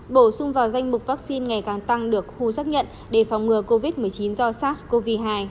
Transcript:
bổ sung vào danh mục vaccine ngày càng tăng được khu xác nhận để phòng ngừa covid một mươi chín do sars cov hai